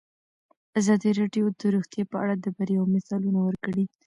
ازادي راډیو د روغتیا په اړه د بریاوو مثالونه ورکړي.